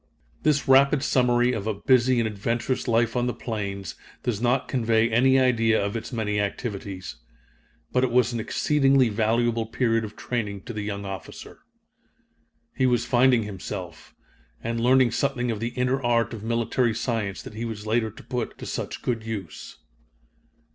This rapid summary of a busy and adventurous life on the plains does not convey any idea of its many activities. But it was an exceedingly valuable period of training to the young officer. He was finding himself, and learning something of the inner art of military science that he was later to put to such good use.